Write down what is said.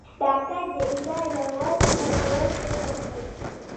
راکټ د انسان له وس نه لوړ فکر ښيي